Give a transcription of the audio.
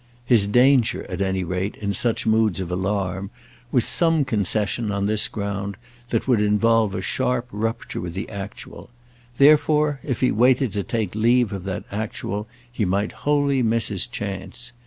His danger, at any rate, in such moods of alarm, was some concession, on this ground, that would involve a sharp rupture with the actual; therefore if he waited to take leave of that actual he might wholly miss his chance.